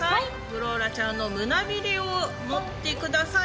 フローラちゃんの胸びれを持ってください。